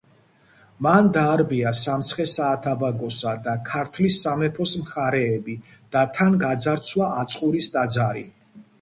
მან დაარბია სამცხე-საათაბაგოსა და ქართლის სამეფოს მხარეები და თან გაძარცვა აწყურის ტაძარი.